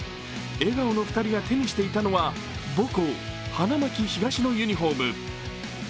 笑顔の２人が手にしていたのは母校・花巻東のユニフォーム。